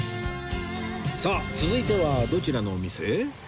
さあ続いてはどちらのお店へ？